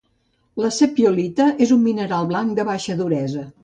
La sepiolita és un mineral blanc de baixa duresa.